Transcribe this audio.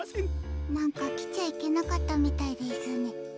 なんかきちゃいけなかったみたいですね。